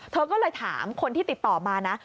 เธอก็เลยถามคนที่ติดต่อมานะ